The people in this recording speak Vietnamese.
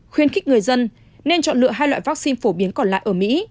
khuyến khích người dân nên chọn lựa hai loại vaccine phổ biến còn lại ở mỹ